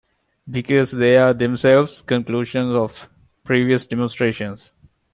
Because they are themselves conclusions of previous demonstrations.